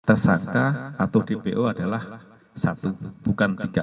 tersangka atau dpo adalah satu bukan tiga